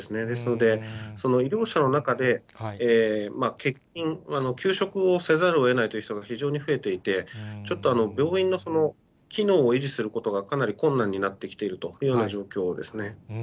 ですので、医療者の中で、欠勤、休職をせざるをえないという人が非常に増えていて、ちょっと病院の機能を維持することがかなり困難になってきているというような状況ですね。